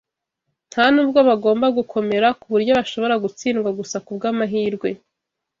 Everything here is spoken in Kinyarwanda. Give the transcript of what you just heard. ntanubwo bagomba gukomera kuburyo bashobora gutsindwa gusa kubwamahirwe